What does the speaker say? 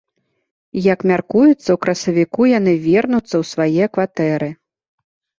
Як мяркуецца, у красавіку яны вернуцца ў свае кватэры.